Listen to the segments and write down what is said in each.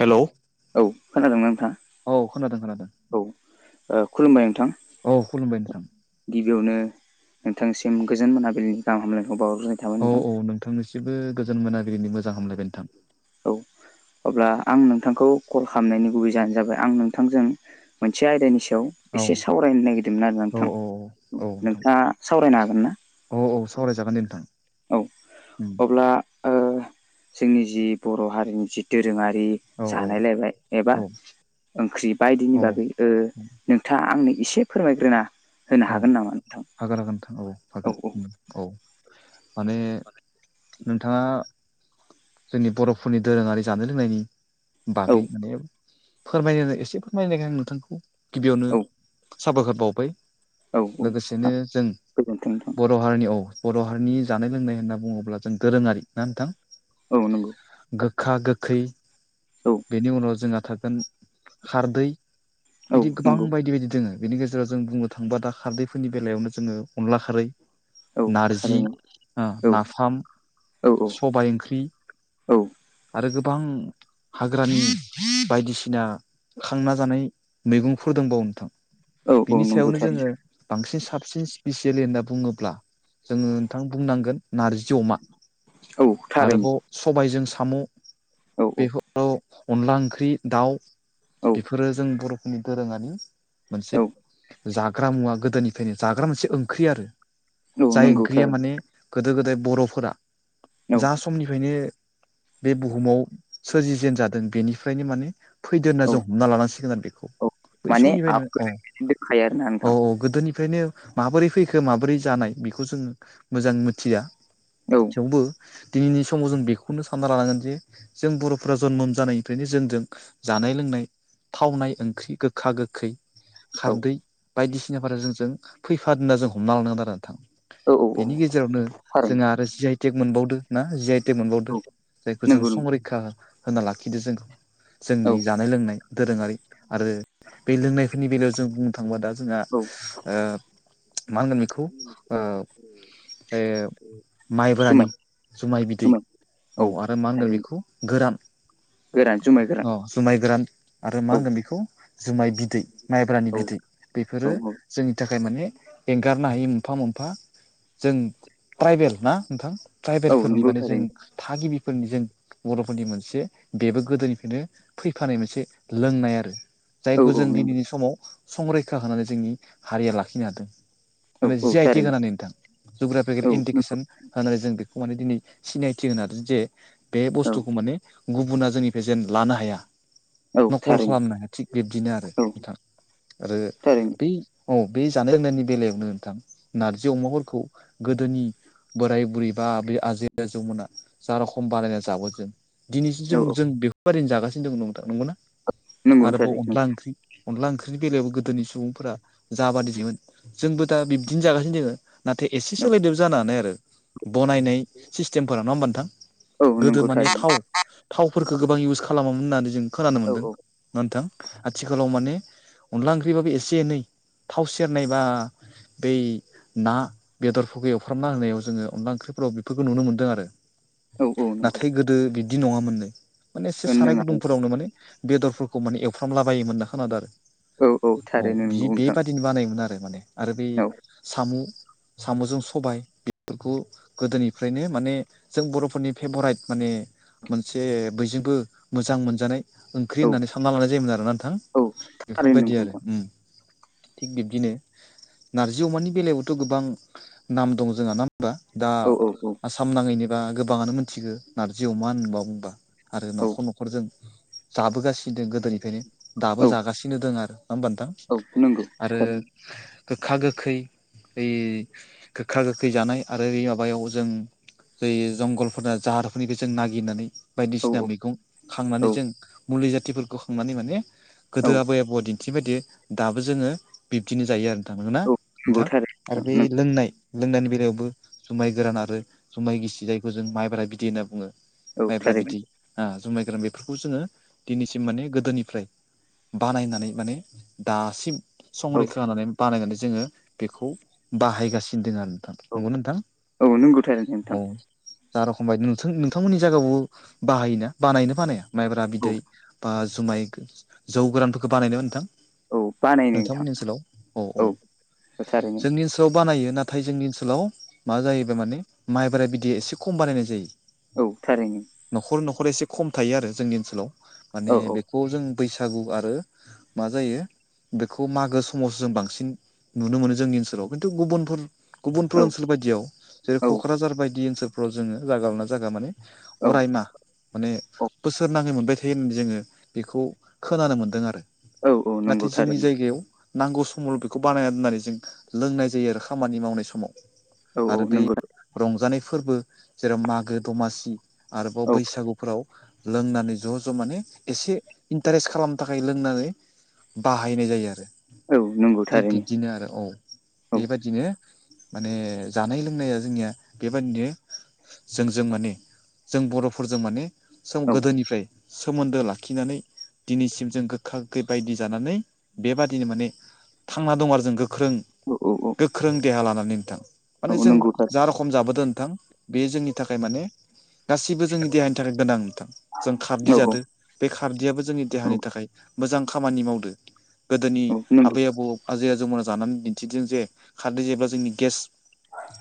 Hello औ खोनादोंमोन नोंथाङा? औ खोनादों खोनादों। औ ओ खुलुमबाय नोंथां औ खुलुमबाय नोंथां गिबियावनो नोंथांसिम गोजोन मोनाबिलिनि गाहाम हामलायखौ बावग्रोनाय थाबाय औ नोंथां औ नोंथांनिसिबो गोजोन मोनाबिलिनि मोजां हामलायबाय नोंथां औ अब्ला आं नोंथांखौ कल खालामनायनि गुबै जानो जाबाय आं नोंथांजों मोनसे आयदानि सा [unintelligible] औ एसे सावरायनो नागिरदोंमोन आरो औ नोंथां औ औ नोंथां नोंथाङा सावरायनो हागोन ना औ औ सावरायजागोन दे नोंथां औ उम अब्ला ओ जोंनि जि बर' हारिनि जि दोरोङा जि औ औ जानायलायबाय औ एबा ओंख्रि बायदिनि औ बागै ओ नोंथाङा आंनो एसे फोरमायग्रोना होनो औ हागोन नामा नोंथां हागोन हागोन नोंथां औ हागोन औ उम औ माने नोंथाङा जोंनि बर'फोरनि दोरोङारि जानाय लोंनायनि औ बागै माने फोरमायनो एसे फोरमाय [unintelligible] आं नोंथांखौ गिबियावनो औ साबायखर बावबाय औ लोगोसेनो जों गोजोनथों नोंथां बर बर' हारिनि औ बर' हारिनि जानाय लोंनाय होनना बुङोब्ला जों दोरोङारि ना नोंथां औ नंगौ गोखा गोखै औ बेनि उनाव जोंहा थागोन खारदै औ बिदि गोबां नंगौ बायदि बायदि दोङो बेनि गेजेराव जों बुं थांबा दा खारदैफोरनि बेलायावनो जोङो अनला खारै औ नारजि थारैनो हो औ नाफाम औ सबाय ओंख्रि औ औ आरो गोबां हाग्रानि बायदिसिना खांना जानाय मैगंफोर दंबावो नोंथां औ औ बिनि नंगौ सायावनो थारै जोङो बांसिन साबसिन स्पिसियेलि होनना बुङोब्ला जोङो नोंथां बुंनांगोन नारजि अमा औ थारैनो आरोबाव सबायजों साम' औ औ बेफोराव अनला ओंख्रि दाउ औ बेफोरो जों बर'फोरनि दोरोङारि औ मोनसे जाग्रा मुवा गोदोनिफ्रायनो जाग्रा मोनसे ओंख्रि आरो औ जाय नंगौ ओंख्रिया थारैनो माने गोदो गोदाय बर'फोरा औ जा समनिफ्रायनो बे बुहुमाव सोरजिजेन जादों बेनिफ्रायनो माने फैदो होनना औ जों हमना लानांसिगोन आरो बेखौ बै समनिफ्रायनो औ खायो आरो ना औ नोंथां गोदोनिफ्रायनो माबोरै फैखो माबोरै जानाय बेखौ जोङो मोजां मिथिया औ थेवबो दिनैनि समाव जों बेखौनो सानना लानांगोन जे जों बर'फोरा जन्म जानायनिफ्रायनो जोंजों जानाय लोंनाय थावनाय ओंख्रि गोखा गोखै औ खारदै बायदिसिनाफोर जों जों फैफादो [unintelligible] ना जों हमना लानो [unintelligible] आरो नोंथां औ औ थारैनो बेनि औ गेजेरावनो जोंहा आरो जि आइ टेक मोनबावदो ना जि आइ टेक मोनबावदो जायखौ जों नंगौ नंगौ संरिखा होना लाखिदो जोंखौ औ जोंनि जानाय लोंनाय दोरोङारि आरो बे लोंनायफोरनि बेलायाव जों बुंनो थाङोबा दा जोंहा औ ओ मा होनगोन बेखौ ओ ए माइबोरानि जुमाय जुमाय बिदै औ आरो मा होनगोन बेखौ गोरान गोरा अ जुमाय गोरान आरो मा होनगोन बेखौ जुमाय बिदै औ माइब्रानि बिदै बेफोरो औ जोंनि थाखाय माने एंगारनो हायि मोनफा मोनफा जों ट्राइबेल ना नोंथां औ ट्राइबेलफोरनि नंगौ माने जों थारैनो थागिबिफोरनि जों बर'फोरनि मोनसे बेबो गोदोनिफ्रायनो फैफानाय मोनसे लोंनाय आरो औ जायखौ औ जों नंगौ दिनैनि समाव संरैखा होनानै जोंनि हारिया लाखिनो हादों औ माने औ जि आइ टेक थारैनो गानै नोंथां जुग्राफिकेल औ नंगौ इन्डिकेसन होननानै जों बेखौ माने दिनै सिनायथि होनादों जे बे औ बुस्थुखौ माने गुबुना जोंनिफ्रायेजेनन्ट लानो हाया औ नखल थारैनो खालामनो हाया थिग बिब्दिनो आरो औ नोंथां आरो थारैनो ब औ बे जानाय लोंनायनि बेलायावनो नोंथां नारजि अमाफोरखौ गोदोनि बोराय बुरैबा बे आजै आजौमोना जा रोखम बानायायना जाबो जों दिनैसिम औ जों जों बेफोरबायिनो जागासिनो दों नंगौना नंगौ आरोबाव थारैनो अनला ओंख्रि अनला ओंख्रिनि बेलायावबो गोदोनि सुबुंफोरा जाबादि जोन जोंबो दा बिब्दिनो जागासिनो दोङ नाथाय एसे औ सोलायदोब जानानै आरो बनायनाय सिस्टेमफोरा नङा होमबा नोंथां औ गोदो नंगौ माने थारैनो थाव थावफोरखौ गोबां इउस खालामोमोन होननानै जों खोनानो औ मोनदों औ न नथां आथिखालाव माने अनला ओंख्रिबाबो एसे एनै थाव सेरनायबा बेै ना बेदरफोरखौफोरखौ एवफ्रामना होनायाव जोङो अनला ओंख्रिफोराव बेफोरखौ नुनो मोनदों आरो औ औ नंगौ नाथाय गोदो बिदि नङामोननो माने एसे साराय नोङा गुदुं फोरावनो माने बेदरफोरखौ माने एवफ्रामला बोमोन नना खोनादों आरो औ औ औ थारैनो नंगौ बि नोंथां बेबादिनो बानायोमोन आरो माने आरो बै औ साम' साम'जों सबाय बेफोरखौ गोदोनिफ्रायनो माने जों बर'फोरनि फेभराइट माने मोनसे बयजोंबो मोजां मोनजानाय ओंख्रि औ होननानै सानना लानाय जायोमोन आरोना नोंथां औ थारैनो नंगौ बेफोरबायदि आरो नोंथां थिग बिबदिनो नारजि अमानि बेलायावथ' गोबां नाम दं जोंहा ना होनबा दा औ औ आसाम नाङैनोबा गोबाङानो मोनथिगौ नारजि अमा होनबा बुंबा आरो औ न'खर न'खर जों जाबोगासिनो द गोदोनिफ्रायनो दाबो औ जागासिनो दं आरो खालामबान्दां औ नंगौ आरो थारैनो गोखा गोखै ओइ गोखा गोखै जानाय आरो बे माबायाव जों जै जंगलफोरना जाहारफोरनिखौ जों नागिरनानै औ औ बायदिसिना मैगं औ खांनानै जों मुलि जाथिफोरखौ खांनानै माने औ गोदो आबै आबौआ दि थबायदि दाबो जोङो बिब्दिनो जायो आरो नोंथां ना औ नंगौ नोंथां थारैनो आरो बे नोंथां नों लोंनाय लोंदानि बेलायावबो जुमाय गोरान आरो जुमाय गिसि जायखौ जों माइबारा बिदिै होनना बुङो औ माइब्रा थारैनो बिदि जुमाय गोरान बेफोरखौ जोङो दिनैसिम माने गोदोनिफ्राय बानायनानै माने दासिम औ संरैखा होननानै बानायनानै जोङो बेखौ बाहायगासिनो दं आरो नोंथां औ नंगौ नोंथां औ नोंगौथायै औ नोंथां जा रखम बाय नोंथ नोंथांमोननि जायगायावबो बाहायोना बानायनो बानाया माइब्रा औ बिदै बा जुमाय जौ गोरानफोरखौ बानायनो नोंथां औ बानायनो नोंथां नोंथांमोननि ओनसोलाव औ औ थारैनो जोंनि ओनसोल ओनाव बानायो नाथाय जोंनि ओनसोलाव मा जाहैबाय माने माइब्रा बिदैया एसे खम बानायनाय जायो औ थारैनो न'खर न'खर एसे खम थायो आरो जोंनि ओनसोलाव औ माने बेखौ जों बैसागु आरो मा जायो बेखौ मागो समावसो जों बांसिन नुनो मोनो जोंनि ओनसोलाव। खिन्थु गुबुनफोर गुबुनफोर औ ओनसोल बायदियाव जेरै औ क'क्राझार बायदि ओनसोलफ्राव जोङो जागा लाना जागा माने औ अरायमाहा माने बोसोर नाङै मोनबाय थायो होननानै जोङो बेखौ खोनानो मोन्दों आरो औ नंगौ नाथाय जोंनि थारैनो जायगायाव नांगौ समावल' बेखौ बानायना दोननानै जों लोंनाय जायो आरो खामानि मावनाय समाव औ औ आरो ब नंगौ रंजानाय फोरबो जेराव मागो दमासि आरोबाव औ बैसागुफोराव लोंनानै ज' ज' माने एसे इन्टारेस्ट खालामनो थाखाय लोंनानै बाहायनाय जायो आरो औ नंगौ थिग थारैनो बिब्दिनो आरो औ औ बेबायदिनो माने जानाय-लोंनाया जोंनिया बेबायाददिनो जोंजों माने जों बर'फोरजों माने सोम औ गोदोनिफ्राय सोमोन्दो लाखिनानै दिनैसिम जों गोखा-गोैखै बायदि जानानै बेबादिनो माने थांना दं आरो जों गोख्रों औ औ गो- ख्रों देहा लानानै नोंथां। माने औ जों नंगौ थारैनो जा रख- खम जाबोदों नोंथां बे जोंनि थाखाय माने गासिबो जोंनि देहानि थाखाय गोनां नोंथां। जों खारदि औ औ जादो बे खारदियाबो जोंनि देहानि थाखाय मोजां खामानि मावदो। गोदोनि औ नंगौ आबै-आबौ आजै-आजौमोना जानानै दिन्थिदों जे खारदै जेब्ला जोंनि गेस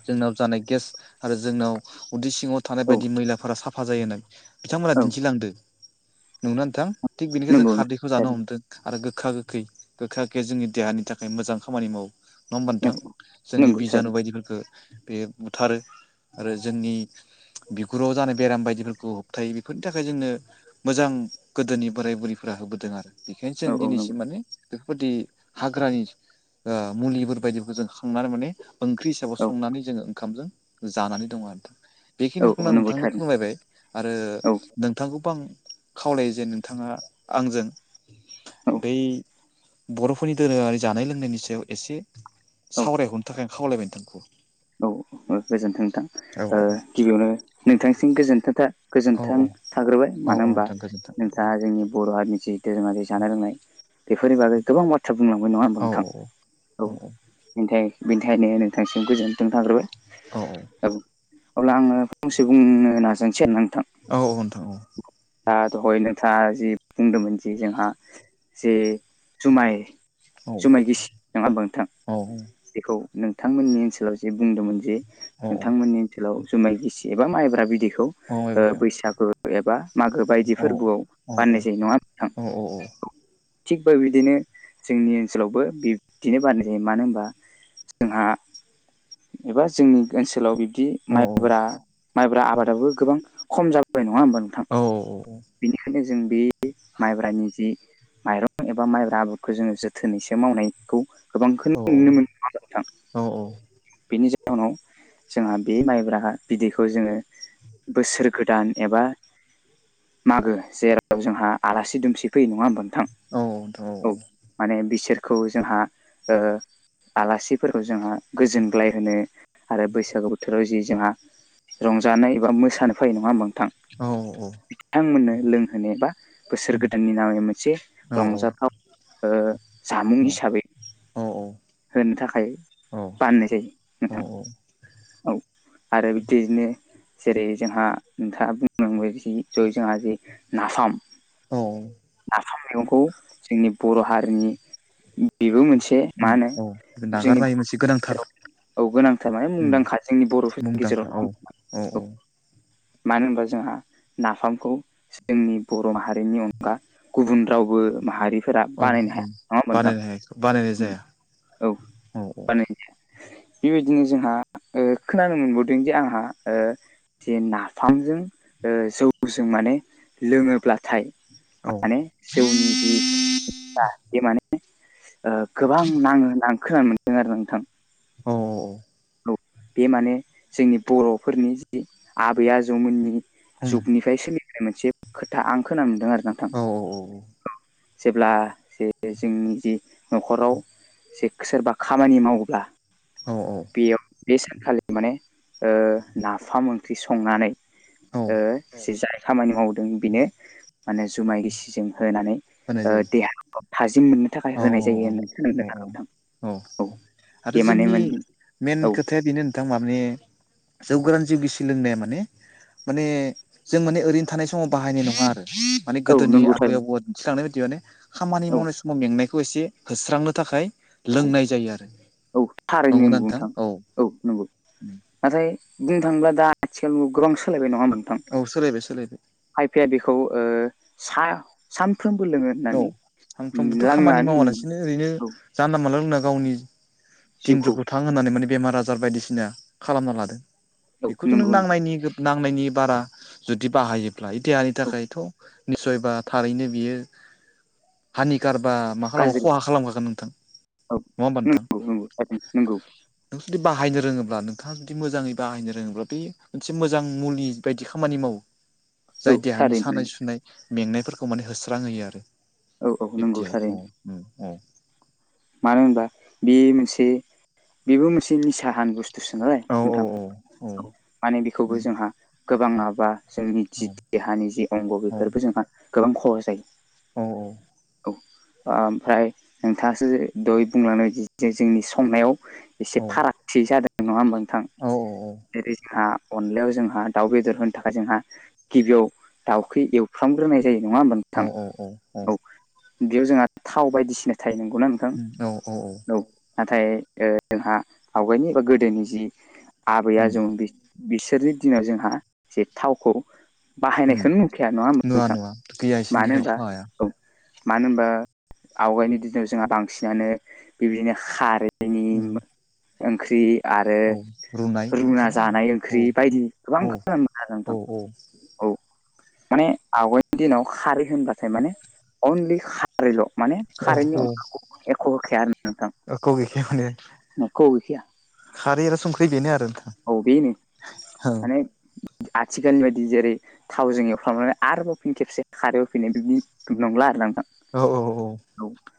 जोंनाव जानाय गेस आरो जोंनाव उदै सि- ङाव थानाय औ बायदि मैलाफोरा साफा जायो होननानै बिथांमोना औ दिन्थिलांदो। नंगौना नोंथां? थिग बेनिखाय जों नंगौ नंगौ खारदैखौ जानो थारैनो हमदों। आरो गोखा-गोखै गोखा-गोखैआ जोंनि देहानि थाखाय मोजां खामानि मावो। नङा होमबा औ नोंथां? औ जोंनि नंगौ बिजानु थारैनो बायदिफोरखो बे बुथारो आरो जोंनि बिगुराव जानाय बेराम बायदिफोरखौ होबथायो बेफोरनि थाखाय जोंनो मोजां गोदोनि बोराय-बुरैफोरा होबोदों आरो बेखायनो जों औ औ दिनैसिम नंगौ माने बेफोरबायदि हाग्रानि ओ मुलिफोर बायदिफोरखौ जों खांनानै माने ओंख्रि हिसाबै औ संनानै जोङो ओंखामजों जानानै दङ आरो नोंथां। औ बेखिनिखौनो औ आं नंगौ नोंथांनो थारैनो फोरमायबाय आरो औ नों- नोंथांखौबो आं खावलायो जे नोंथाङा आंजों बै बर'फोरनि दोरोङारि जानाय लोंनायनि सायाव एसे औ सावरायहरनो थाखाय आं खावलायबाय नोंथांखौ। औ गोजोन्थों नोंथां। औ ओ गिबियावनो नोंथांसिम गोजोन्थों था- औ गोजोन्थों औ थाग्रोबाय औ मानो औ होनबा नोंथां गोजोन्थों नोंथाङा जोंनि बर' हारिनि जि धोरोमारि जानाय-लोंनाय बेफोरनि बागै गोबां बाथ्रा बुंलांबाय। नङा होमबा औ नोंथां? औ औ [unintelligible] बेनि थाखायायनो नोंथांसिम गोजोनथों थांग्रोबाय। औ अब्ला आङो फंसे बुंनो नाजानोसै आरो नोंथां। औ औ नोंथां औ दा दहय नोंथाङा जि बुंदोंमोन जि जोंहा जे जुमाय जुमाय गिसि। नंङा ओमबा नोंथां? बेखौ नोंथांमोननि ओनसोलाव जे बुंदोंमोन जे नोंथांमोननि ओनसोलाव जुमाय गिसि एबा माइब्रा बिदैखौ ओ बैसागु एबा मागो बायदि फोरबोआव बानायनाय जायो। नङा ओमबा नोंथां? थिग बेबायदिनो जोंनि ओनसोलावबो बिदिनो बानायनाय जायो मानो होनबा जोंहा एबा जोंनि ओनसोलाव बिब्दि माइब्रा माइब्रा आबादाबो गोबां खम जाबाय नङा होमबा नों- औ औ औ बेनिखायनो जों बे माइब्रानि जि माइरं एबा माइब्रा आबादखौ जोङो जोथोनैसो मावनायखौ गोबांखौनो नुनो मोनो। नङा ओमबा नोंथां? औ औ बेनि जाहोनाव जोंहा बे माइब्राहा बिदैखौ जोङो बोसोर गोदान एबा मागो जेराव जोंहा आलासि दुमसि फैयो नङा होमबा नोंथां औ माने बिसोरखौ जोंहा ओ आलासिफोरखौ जोंङो गोजोनग्लाय होनो आरो बैसागो बोथोराव जि जोंहा रंजानाय एबा मोसानो फैयो। नङा ओमबा नोंथां? औ औ औ बिथांमोननो लोंहोनो बा बोसोर गोदाननि नामै मोनसे रंजाथाव ओ जामुं हिसाबै होनो थाखाय बानायनाय जायो औ औ औ नोंथां। औ आरो बिदिनो जेरै जोंहा नोंथाङा बुंलांबायजि जय जोंहा जि नाफाम औ नाफाम मैगंखौ जोंनि बर' हारिनि बेबो मोनसे मा होनो औ जोंनि नागारनो हायै मोनसे गेजेराव गोनांथार औ गोनांथार माने मुंदांखा जोंनि बर'फोरनि मुंदांखा गेजेराव औ नङा होमबा औ मानो होनबा जोंहा नाफामखौ जोंनि बर' माहारिनि अन गा गुबुन रावबो माहारि फोरा औ बानायनो औ हाया नङा होमबा बानायनो हाया बानायनाय जाया नोंथां औ बानायनो बेबायदिनो जोंहा ओ खोनानो मोनबावदों जे आंहा जे नाफामजों जौजों माने लोङोब्लाथाय औ माने जौनि जि बे माने ओ गोबां नाङो होन खोनानो मोनदों आरो नोंथां। औ औ बे माने जोंनि बर'फोरनि जि आबै आजौमोननि जुगनि फ्राय सोलिनाय मोनसे खोथा आं खोन मोनदों आरो नोंथां औ जेब्ला जे जोंनि जि न'खराव जे सोरबा खामानि मावोब्ला औ औ बेयाव बे सानखालि माने ओ नाफाम ओंख्रि संनानै औ ओ जि जाय खामानि मावदों बेनो माने जुमाय गिसिजों होनानै होनाय ओ जायो देहा औ थाजिम मोननो थाखाय औ होनाय जायो होननानै खोनादों औ आरो नोथां औ आरो जोंनि बेमानेमोन मेन खोथाया बेनो नोंथां माने जौगोरान जौ गिसि सोलोंनाया माने माने जों माने ओरैनो थानाय समाव बाहायनाय नांङा आरो माने औ गोदोनि नंगौ आबै थारैनो आबौआ दिन्थिलांनाय बायदि माने खामानि औ मावनाय सम मेंनायखौ एसे होस्रांनो थाखाय औ लोंनाय जायो आरो औ थारैनो नंगौना नंगौ नोंथां औ औ नंगौ नाथाय बुंनो थाङोब्ला दा आथिखाल गोबां सोलायबाय नंङा होनोमबा। औ सोलायबाय सोलायबाय। खायफाया बेखौ ओ सा सान फ्रोमबो लोङो औ होननानै सानफ्रोमबोथ' खामानि लाङानानै मावालासिनो ओरैनो जानला मोनानला लोंना गावनि जिउखौ दिनफोरखौ थां होनानै माने बेमार आजार बायदिसिना खालामना लादों औ बेखौथ' नों नंगौ नोंथां नांनायनि नांनायनि बारा जुदि बाहायोब्ला देहानि औ थाखायथ' निसयबा थारैनो बियो हानिकार बा मा खालामो गाज्रि खहा खालामखागोन नोंथां औ नङा होमबा नोंथां। नंगौ नंगौ नंगौ नों जुदि बाहायनो रोङोब्ला नोंथाङा जुदि मोजाङै बाहायनो रोङोब्ला बे मोनसे मोजां मुलि बायदि खामानि मावो। [inaudible] जाय देहानि थारैनो सानाय सुनाय मेंनायफोरखौ माने होस्रांहोयो आरो। औ औ नंगौ थारैनो औ औ मानो होनबा बे मोनसे बेबो मोनसे निसाहान बु स्थुसो नालाय औ नोंथां औ औ माने बेखौबो जोंहा गोबां माबा जोंनि जि देहानि जि अंग बेफोरबो जोंहा गोबां खहा जायो। औ औ औ ओमफ्राय नोंथाङासो दयै बुंलांनाय जोंनि संनायाव एसे फारागथि जादों नङा होमबा नोंथां जेरै जोंहा अनलायाव जोंहा दाउ बेदर होनो थाखाय जोंहा गिबियाव दाउखै एवफ्रामग्रोनाय जायो नङा होनबा नों अ औ औ अ बेयाव जोंहा थाव बायदिसिना थायो नंगौना नोंथां औ नाथाय ओ जोंहा आवगायनि बा गोदोनि जि आबैया औ आजौ बि बिसोरनि दिनाव जोंहा जे थावखौ औ बाहायनायखौनो नुखाया नङा होन नुवा नोंथां नुवा गैया इसोरनि मानो दिनाव होनबा माबाया औ मानो होनबा आवगायनि दिनाव जोंहा बांसिनानो बेबायदिनो खारै उम। ओंख्रि आरो औ रुनाय रुना बेफोरनो जानाय आरो ओंख्रि बायदि गोबां औ खोना मोना आरो औ नोंथां औ औ माने आवगायनि दिनाव खारै होनबाथाय माने अनलि खारल' माने औ औ खारैनन्टनि अन एख' होखाया आरो औ खारैया संख्रि बेनो आरो औ बेैनो माने आथिखाालनि बायदि जेरै थावजों एवफ्रांनानै आरोबाव फिन खेबसे खारै एवफिननाय बिदि नंला आरो ना नोंथां औ औ औ औ